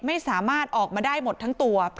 ไม่สามารถออกมาได้หมดทั้งตัว